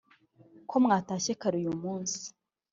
ko mwatashye kare uyu munsi